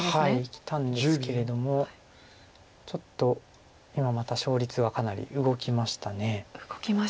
生きたんですけれどもちょっと今また勝率がかなり動きました。